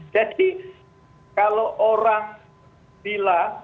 jadi kalau orang bilang